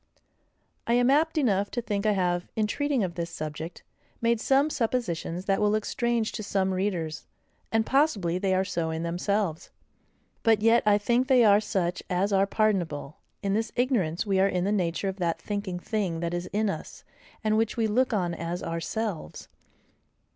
I am apt enough to think I have, in treating of this subject, made some suppositions that will look strange to some readers, and possibly they are so in themselves. But yet, I think they are such as are pardonable, in this ignorance we are in of the nature of that thinking thing that is in us, and which we look on as OURSELVES.